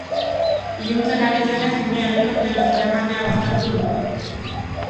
Iluntzen ari zenez umea helikopteroz eramatea baztertu dute.